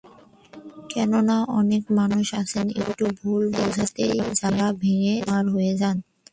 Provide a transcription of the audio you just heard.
কেননা, অনেক মানুষ আছেন, একটু ভুল বোঝাতেই যাঁরা ভেঙে চুরমার হয়ে যান।